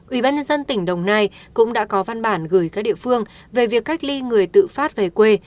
ubnd tỉnh đồng nai cũng đã có văn bản gửi các địa phương về việc cách ly người tự phát về quê